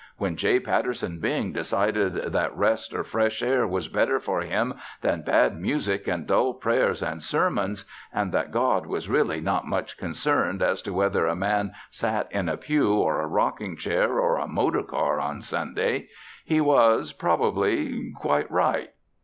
When J. Patterson Bing decided that rest or fresh air was better for him than bad music and dull prayers and sermons, and that God was really not much concerned as to whether a man sat in a pew or a rocking chair or a motor car on Sunday, he was, probably, quite right.